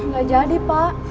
gak jadi pak